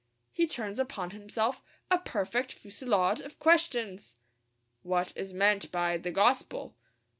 He turns upon himself a perfect fusillade of questions. What is meant by the gospel?